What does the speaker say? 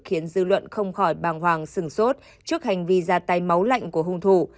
khiến dư luận không khỏi bàng hoàng sừng sốt trước hành vi ra tay máu lạnh của hung thủ